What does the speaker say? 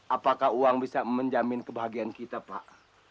apakah uang bisa menjamin kebahagiaan kita pak